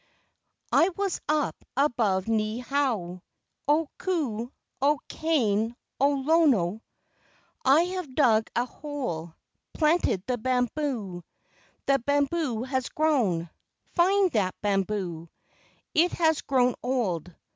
" I was up above Niihau. O Ku! O Kane! O Lono! I have dug a hole, Planted the bamboo; The bamboo has grown; Find that bamboo! It has grown old.